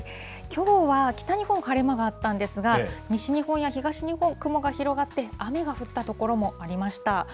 きょうは北日本、晴れ間があったんですが、西日本や東日本、雲が広がって、雨が降った所もありました。